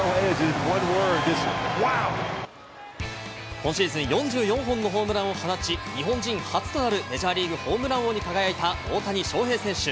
今シーズン４４本のホームランを放ち、日本人初となるメジャーリーグホームラン王に輝いた大谷翔平選手。